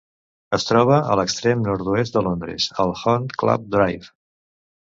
Es troba a l'extrem nord-oest de Londres, a Hunt Club Drive.